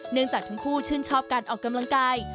จากทั้งคู่ชื่นชอบการออกกำลังกาย